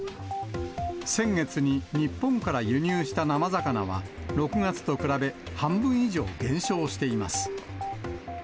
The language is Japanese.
先月に日本から輸入した生魚は、６月と比べ半分以上減少しています。